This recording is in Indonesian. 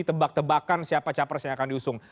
tebak tebakan siapa capres yang akan diusung